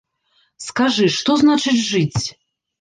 Скажы, што значыць жыць?